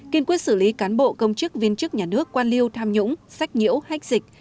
kiên quyết xử lý cán bộ công chức viên chức nhà nước quan liêu tham nhũng sách nhiễu hách dịch